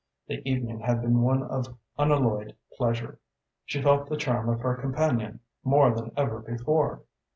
The evening had been one of unalloyed pleasure. She felt the charm of her companion more than ever before.